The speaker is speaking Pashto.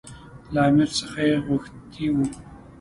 له امیر څخه یې غوښتي وو.